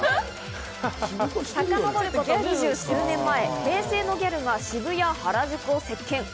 さかのぼること２０数年前、平成のギャルが渋谷、原宿を席巻。